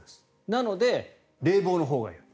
なので、冷房のほうがいい。